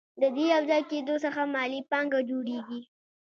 د دې یوځای کېدو څخه مالي پانګه جوړېږي